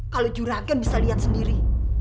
kalau juragen bisa lihat sendiri